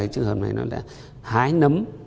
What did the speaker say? trường hợp này là hái nấm